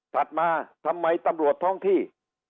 มาทำไมตำรวจท้องที่